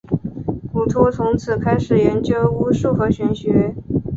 古托从此开始研究巫术和玄学。